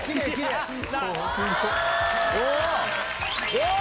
お！